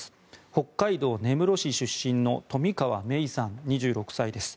北海道根室市出身の冨川芽生さん、２６歳です。